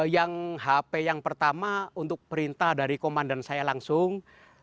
yang hp yang pertama untuk perintah dari komandan saya langsung